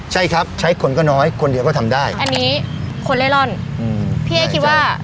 ใช่ครับใช้คนก็น้อยคนเดียวก็ทำได้อันนี้คนเล่นร่อนอืมพี่เอ๊คิดว่า